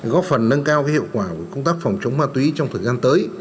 góp phần nâng cao hiệu quả của công tác phòng chống ma túy trong thời gian tới